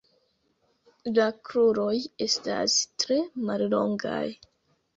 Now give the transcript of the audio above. La kruroj estas tre mallongaj.